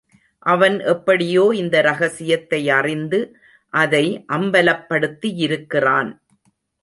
அவன் எப்படியோ இந்த ரகசியத்தை அறிந்து அதை அம்பலப்படுத்தியிருக்கிறான்.